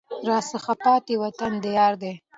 راڅخه پاته وطن د یار دی